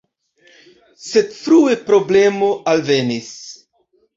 Sed frue problemo alvenis.